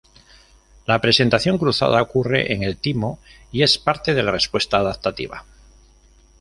La presentación cruzada ocurre en el timo y es parte de la respuesta adaptativa.